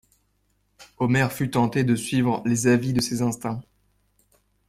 Omer fut tenté de suivre les avis de ses instincts.